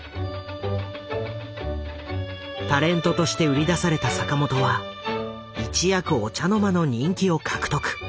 タレントとして売り出された坂本は一躍お茶の間の人気を獲得。